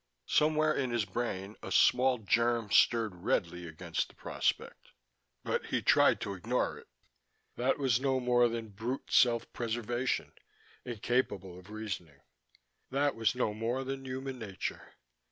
Somewhere in his brain a small germ stirred redly against the prospect, but he tried to ignore it: that was no more than brute self preservation, incapable of reasoning. That was no more than human nature.